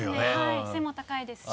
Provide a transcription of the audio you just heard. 背も高いですし。